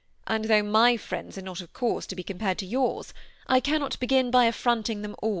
And though my friends are not, of course, to be compared to yours, I cannot begin by affironting them aU."